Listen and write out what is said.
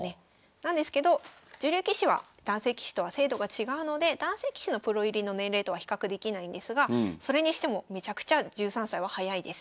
なんですけど女流棋士は男性棋士とは制度が違うので男性棋士のプロ入りの年齢とは比較できないんですがそれにしてもめちゃくちゃ１３歳は早いです。